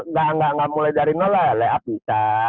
ya gak mulai dari nol lah ya layup bisa